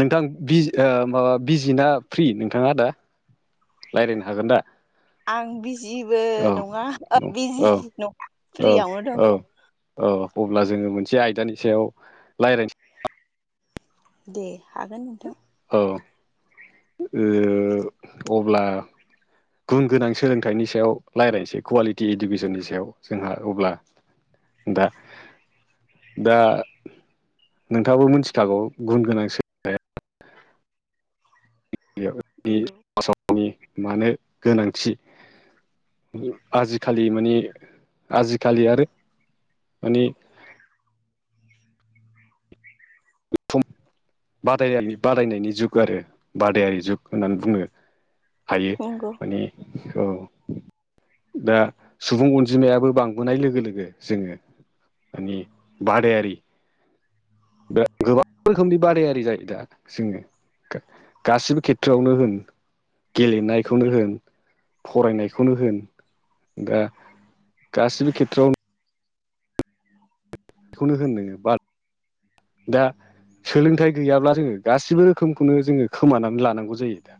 नोंथां बिजि ओ बिजि ना फ्रि नोंथाङा दा रायलायनो हागोन दा? आं बिजिबो औ नङा ओ बिजि औ नङा फ्रियावनो औ दं। औ अब्ला जोङो मोनसे आयदानि सायाव रायलाय दे हागोन नोंथां। औ ओ अब्ला गुन गोनां सोलोंथाइनि सायाव रायलायनोसै कवालिटि इडुकेसननि सायाव जोंहा अब्ला दा दा नोंथाङाबो मिथिखागौ गुन गोनां सो नंगौ [unintelligible] समनि मानो गोनांथि आजिखालि माने आजिखालि आरो माने हुथुम बादाय बादायनायनि जुग आरो बादायारि जुग होननानै बुङो। हायो नंगौ माने औ दा सुबुं अनजिमायाबो बांबोनाय लोगो लोगो जोङो नि बादायारि गोबां रोखोमनि बादायारि जायो। दा जोङो गा-गासिबो खेथ्रआवनो होन गेलेनायखौनो होन फरायनायखौनो होन दा गासिबो खेथ्रआवनो [inaudible] बेखौनो होन नोङो बा दा सोलोंथाइ गैयाब्ला जोङो गासिबो रोखोमखौनो जोङो खोमानानै लानांगौ जायो। दा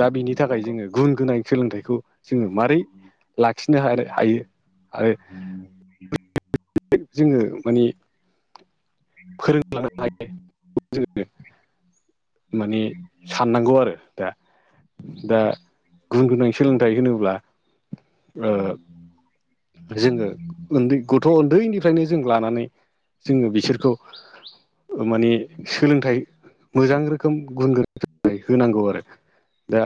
दा बिनि थाखाय नंगौ जोङो गुन गोनां सोलोंथाइखौ जोङो मारै लाखिनो हारो- हायो आरो जोङो माने फोरोंलांनो हायो। जोङो माने साननांगौ आरो दा दा गुन गोनां सोलोंथाइ होनोब्ला ओ जोङो उन्दै गथ' उन्दैनिफ्रायनो जों लानानै जोङो बिसोरखौ माने सोलोंथाइ मोजां रोखोम गुन गोन होनांगौ आरो दा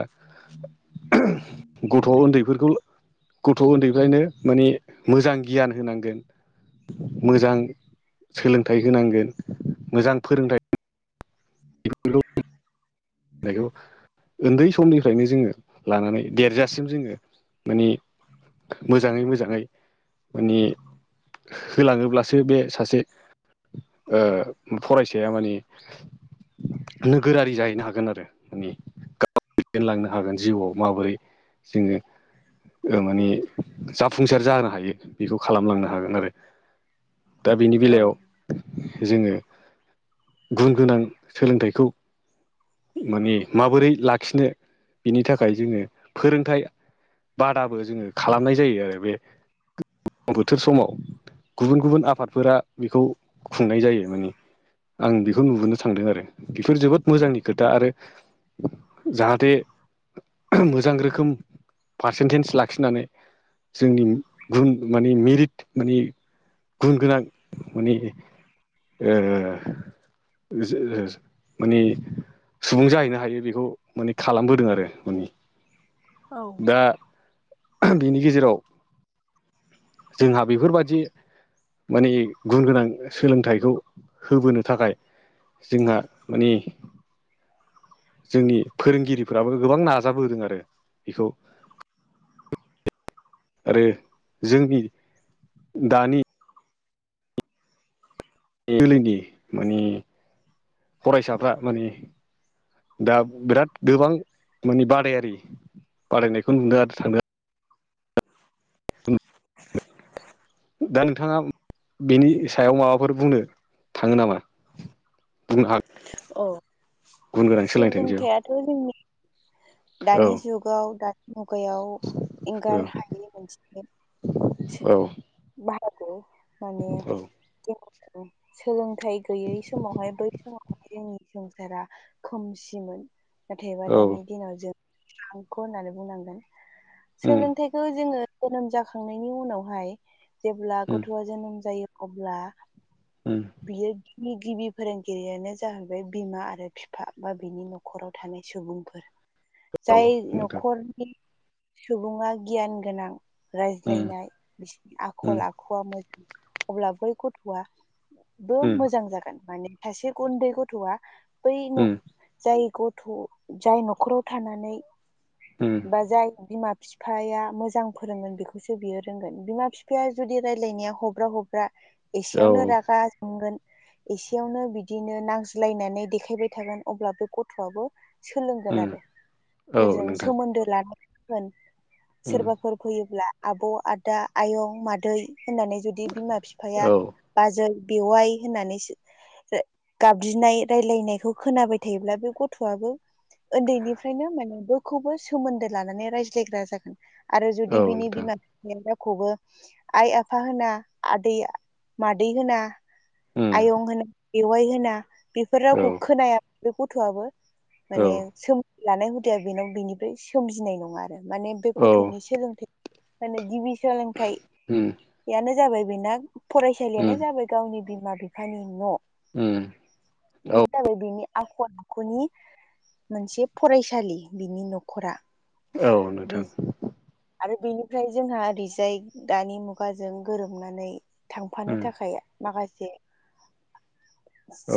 गथ' उन्दैफोरखौ गथ' उन्दैफ्रायनो माने मोजां गियान होनांगोन। मोजां सोलोंथाइ होनांगोन मोजां फोरोंथाइ नायखौ उन्दै समनिफ्रायनो जोङो लानानै देरजासिम जोङो माने मोजाङै मोजाङै माने होलाङोब्लासो बे सासे फरायसाया माने नोगोरारि जाहैनो हागोन आरो माने गाव दैदेनलांनो हागोन जिउआव माबोरै जोङो ओ माने जाफुंसार जाहोनो हायो बेखौ खालामलांनो हागोन आरो। दा बेनि औ बेलायाव जोङो गुन गोनां सोलोंथाइखौ माने माबोरै लाखिनो बिनि थाखाय जोङो फोरोंथाइ बादाबो जोङो खालामनाय जायो आरो बे बोथोर समाव गुबुन गुबुन आफादफोरा बेखौ खुंनाय जायो माने। आं बेखौ नुबोनो थांदों आरो बेफोर जोबोद मोजांनि खोथा आरो जाहाथे उप मोजां रोखोम पारसेन्टेज लाखिनानै जोंनि गुन माने मेरिट माने गुन गोनां माने ओ जो ओज माने सुबुं जाहैनो हायो बेखौ माने खालामबोदों आरो माने। औ उम बेनि गेजेराव जोंहा बेफोरबायदि माने गुन गोनां सोलोंथाइखौ होबोनो थाखाय जोंहा माने जोंनि फोरोंगिरिफोराबो गोबां नाजाबोदों आरो बेखौ। आरो जोंनि दानि जोलैनि माने फरायसाफ्रा माने दा बिराद गोबां माने बादायारि बादायनायखौ नुनो आरो [unintelligible] [unintelligible] दा नोंथाङा बेनि सायाव माबाफोर बुंनो थाङो नामा? [unintelligible] औ गुन गोनां सोलोंथाइनि सायाव सोलोंथायाथ' जोंनि औ दानि जुग आगोलाव दानि मुगायाव औ एंगार हायि मोनसे औ औ [unintelligible] सोलोंथाइ गैयै समावहाय बै समावहाय जोंनि संसारा खोमसिमोन नाथायबा औ दानि दिनाव जों सांख' होननानै बुंनांगोन उम सोलोंथाइखौ जोङो जोनोम जाखांनायनि उनावहाय जेब्ला उम गथ'आ जोनोम जायो अब्ला उम। बियो गिबि-गिबि फोरोंगिरियानो जाहैबाय बिमा आरो बिफा बा बिनि न'खराव थानाय सुबुंफोर औ जाय नोंथां न'खरनि सुबुङा गियान गोनां उम रायज्लायनाय बिसिनि उम आखल आखुआ मोजां अब्ला बै गथ'आ [unintelligible] उम मोजां जागोन माने सासे उन्दै गथ'आ बै न- जाय गथ' जाय न'खराव थानानै ओम। बा जाय बिमा -बिफा बिफाया मोजां फोरोंगोन बेखौसो बियो रोंगोन। बिमा -बिफाया जुदि रायलायनाया हब्रा- हब्रा औ एसेयावनो रागा जोंगोन एसेयावनो बिदिनो [unintelligible] -लायनानै देखायबाय थागोन अब्ला बे गथ'आबो सोलोंगोन उम आरो औ सोरजों नोंथां सोमोन्दो लानानै [unintelligible] उम सोरबा -फोर फैयोब्ला आब', आदा, आयं, मादै होननानै जुदि बिमा -बिफाया औ बाजै बेवाइ होननानैसो बिनाय रायलायनायखौ खोनाबाय थायोब्ला बे गथ'आबो उन्दैनिफ्रायनो माने बयखौबो सोमोन्दो लानानै रायज्लायग्रा जागोन। आरो जुदि औ बिनि नोंथां बिमा रावखौबो आइ- आफा होना आदै- मादै होना उम आयं होना बेवाइ होना बेफोर औ रावखौ खोनाया बे गथ'आबो औ माने सोमोनदो लानाय हुदाया बेनाव बेनिफ्राय सोमजिनाय नङा आरो। माने बे गथ'नि सोलोंथाइ माने गिबि उम सोलोंथाइयानो जाबाय बेना फरायसालियानो जाबाय गावनि बिमा -बिफानि न' ओम। बे जाबाय बिनि आखल -आखुनि मोनसे फरायसालि बिनि न'खरा। औ बे नोंथां। आरो बेनिफ्राय जोंहा ओरैजाय दानि मुगाजों गोरोबनानै। थांफानो उम थाखाय माखासे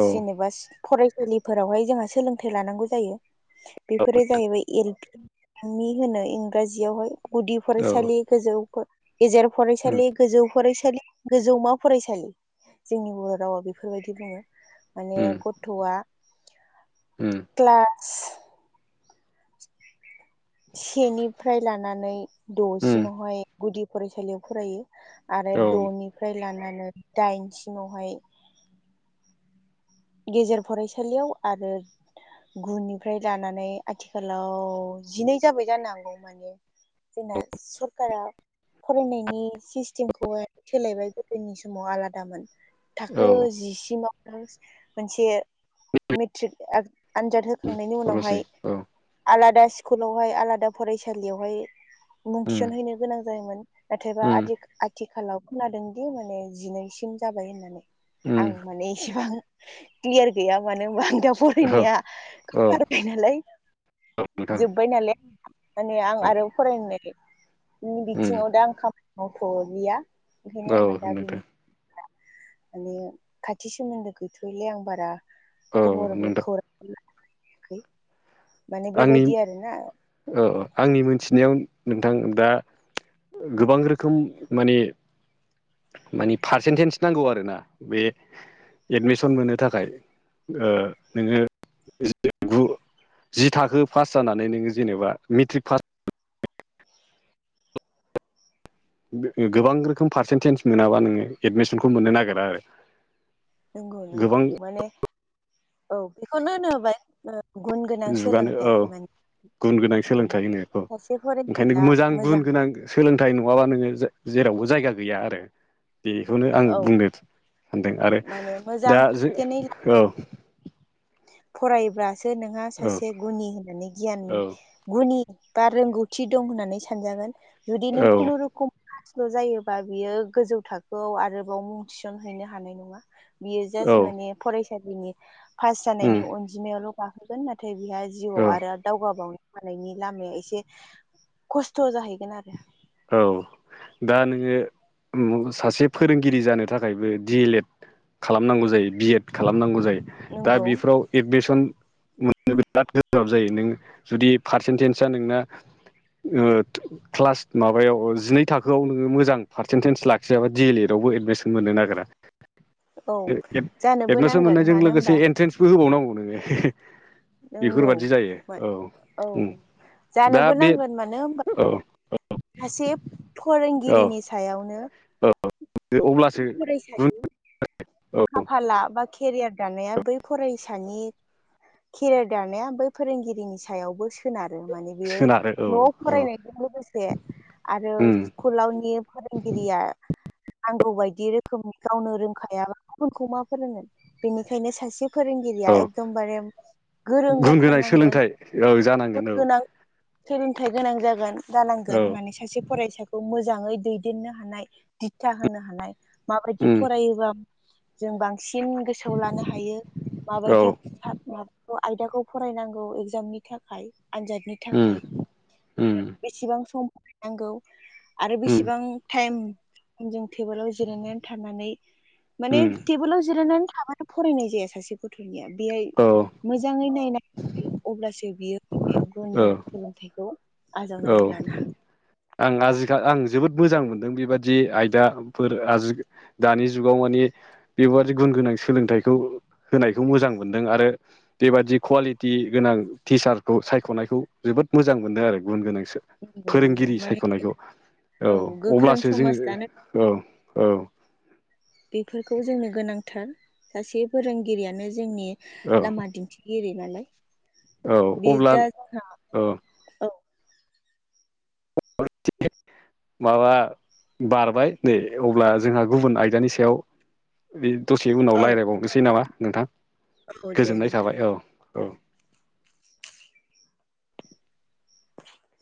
औ फरायसालिफोरावहाय जोंहा सोलोंथाइ लानांगौ जायो। उम बेफोरो जाहैबाय एल फि, एम इ इंराजियावहाय गुदि फरायसालिजौ गेजेर फरायसालि गोजौ फरायसालि गोजौमा फरायसालि जोंनि बर' रावाव बेफोरबायदि बुङो। माने गथ'आ उम क्लास सेनिफ्राय लानानै उम द'सिमावहाय गुदि फरायसालियाव फरायो। आरो द'निफ्राय लानानै दाइनसिमावहाय गेजेर फरायसालियाव आरो गुनिफ्राय लानानै आथिखालाव जिनै जाबाय जानो हागौ माने जोंना औ सरकारा फरायनायनि सिस्टेमखौहाय सोलायबाय गोदोनि समाव आलादामोन थाखो औ जिसिमाव मोनसे मेट्रिक आनजाद होखांनायनि फल'सै उनावहाय औ आलादा स्कुलावहाय आलादा फरायसालियावहाय मुं उम थिसनहैनो गोनां जायोमोन। नाथायबा उम आदि आथिखालाव खोनादोंदि माने जिनैसिम जाबाय होननानै उम आं माने एसेबां क्लियार गैया मानो होनोमबा आं दा औ फरायनाया औ गारबाय नालाय औ नोंथां जोब्बाय नालाय माने आं औ आरो फरायनाय उम बिथिङाव दा आं खामानि मावथ' लिया ओंखायनो आंहा औ दा बिनि नोंथां माने खाथि सोमोन्दो गैथ'यैलाय आं बारा औ खबरबो नोंथां खौरां माने बेबायदि आरो ना ओ ओ आंनि मोनथिनायाव नोंथां दा गोबां रोखोम माने माने पारसेन्टेज नांगौ आरोना बे एडमिसन मोननो थाखाय ओ नोंङो जि थाखो पास जानानै नोंङो जेनेबा मेट्रिक पास गोबां रोखोम पारसेन्टेज मोनाबा नोंङो एडमिसनखौ मोननो नागिरा आरो नंगौ नंगौ गोबां माने औ बेखौनो होनो होबाय गुन गोनां जुगानो सोलोंथाइ औ माने गुन गोनां औ सोलोंथाइ होनो इखौ सासे फोरोंगिरिया ओंखायनो मोजां गुन गोनां सोलोंथाइ नंङाबा नोंङो जेरावबो जायगा गैया आरो बेखौनो आं औ बुंनो सानदों आरो माने मोजां दा जों फारसेनै औ फरायोब्लासो नोंहा औ सासे गुनि होननानै गियान गुनि बा रोंगौथि दं होननानै सानजागोन जुदि नों औ खुनु रुखुम ल' जायोबा बियो गोजौ थाखोआव आरोबाव मुं थिसनहैनो हानाय नंङा बियो औ जास्ट माने फरायसालिनि पास उम जानायनि अनजिमायावल' गाहोगोन नाथाय बिहा औ जिउआव आरो दावगाबावनो हानायनि लामाया एसे खस्थ' जाहैगोन आरो औ दा नोंङो ओम सासे फोरोंगिरि जानो थाखायबो डि एल एड खालामनांगौ जायो बि एड खालामनांगौ जायो दा नंगौ बेफोराव एडमिसन मोननो बिराद गोब्राब जायो नों जुदि पारसेन्टेजआ नोंना क्लास माबायाव जिनै थाखोआव नोङो मोजां पारसेन्टेज लाखियाबाडि एल एड आवबो एडमिसन मोननो नागिरा औ जानोबो एडमिसन नांगोन मोननायजों मानो होनबा लोगोसे एन्ट्रेन्सबो होबावनांगौ नोंङो नंगौ औ उम दा जानोबो बे नांगोन मानो होनबा औ सासे औ फोरोंगिरिनि सायावनो औ अब्लासो गुन [unintelligible] औ खाफाला बा केरियार दानाया बै फरायसानि केरियार दानाया बै फोरोंगिरिनि सायावबो सोनारो माने बेयो सोनारो औ न'आव औ फरायनायजों लोगोसे आरो उम स्कुलावनि फोरोंगिरिया नांगौ बायदि रोखोम गावनो रोंखायाबा गुबुनखौ मा फोरोंगोन बेनिखायनो सासे औ फोरोंगिरिया एकदमबारे गोरों गुन गोनां जाथारनांगोन सोलोंथाइ औ गुन जानांगोन औ गोनां सोलोंथाइ गोनां जागोन जानांगोन औ माने सासे फरायसाखौ मोजाङै दैदेननो हानाय दिथा होनो हानाय माबायदि उम फरायोबा जों बांसिन गोसोआव लानो हायो औ माबायदि सा मा आयदाखौ फरायनांगौ एग्जामनि थाखाय आनजादनि उम थाखाय उम आरो बेसेबां सम बाहायनांगौ आरो उम बेसेबां टाइम जों टेबोलाव जिरायनानै थानानै माने उम टेबोलाव जिरायनानै थाबानो फरायनाय जाया सासे गथ'निया बेहाय औ मोजाङै नायनांगोन बियो अब्लासो बियो गुन औ गोनां सोलोंथाइखौ आजावनानै औ लानो हागोन। आं आजिखाल आं जोबोद मोजां मोनदों बेबादि आयदाफोर आजि दानि जुगाव माने बेबादि गुन गोनां सोलोंथाइखौ होनायखौ मोजां मोनदों आरो बेबादि कुवालिटि गोनां टिसारखौ सायख'नायखौ जोबोद मोजां मोनदों आरो गुन गोनां सो नंगौ नंगौ माने सायख'नायखौ औ गोख्रों अब्लासो जोङो समाज दानो औ औ बेफोरखौ जोंनो गोनांथार सासे फोरोंगिरियानो जोंनि औ लामा दिन्थिगिरि नालाय औ बे अब्ला दा जोंहा औ औ माबा बारबाय नै अब्ला जोंहा गुबुन आयदानि सायाव बे दसे उनाव औ रायज्लायबावनोसै नामा नोंथां औ दे गोजोननाय नोंथां थाबाय औ औ। [unintelligible]